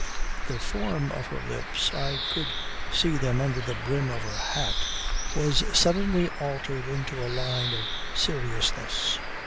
The form of her lips (I could see them under the brim of her hat) was suddenly altered into a line of seriousness.